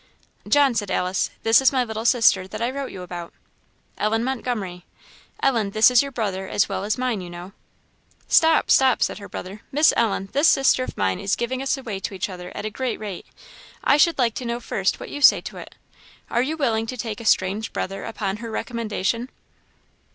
"John," said Alice, "this is my little sister that I wrote you about Ellen Montgomery. Ellen, this is your brother as well as mine, you know." "Stop! stop!" said her brother. "Miss Ellen, this sister of mine is giving us away to each other at a great rate; I should like to know first what you say to it. Are you willing to take a strange brother upon her recommendation?"